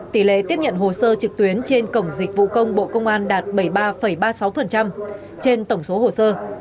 tỷ lệ tiếp nhận hồ sơ trực tuyến trên cổng dịch vụ công bộ công an đạt bảy mươi ba ba mươi sáu trên tổng số hồ sơ